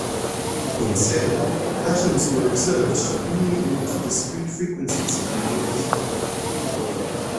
Instead, atoms were observed to only emit discrete frequencies of radiation.